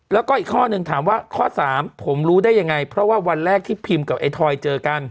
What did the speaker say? แล้วก็อีกข้อหนึ่งถามว่าข้อสามผมรู้ได้ยังไงเพราะว่าวันแรกที่พิมกับไอ้ทอยเจอกัน